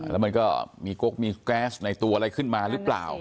แล้วมันก็มีก๊กมีแก๊สในตัวอะไรขึ้นมาหรือเปล่า